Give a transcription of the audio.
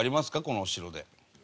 このお城で。